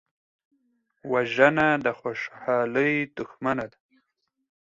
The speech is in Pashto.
وژنه د خوشحالۍ دښمنه ده